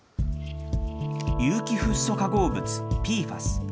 有機フッ素化合物・ＰＦＡＳ。